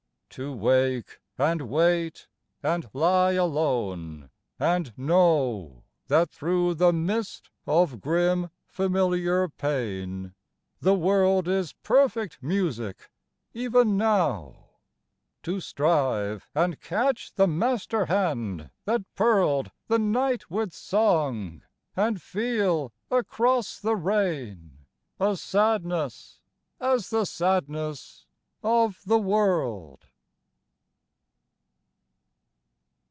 To wake, and wait, and lie alone, and know That through the mist of grim familiar pain The world is perfect music even now ; To strive and catch the master hand that pearled The night with song, and feel, across the rain, A sadness as the sadness of the world.